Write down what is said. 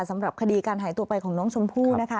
สำหรับคดีการหายตัวไปของน้องชมพู่นะคะ